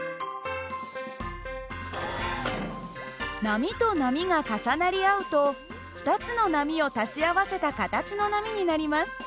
波と波が重なり合うと２つの波を足し合わせた形の波になります。